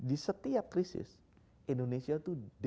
di setiap krisis indonesia tuh dead middle